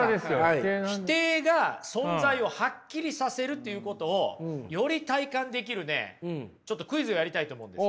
否定が存在をハッキリさせるっていうことをより体感できるねちょっとクイズをやりたいと思うんですよ。